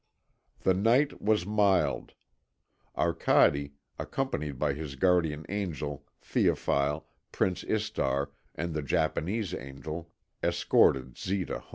The night was mild. Arcade, accompanied by his guardian angel, Théophile, Prince Istar, and the Japanese angel, escorted Zita home.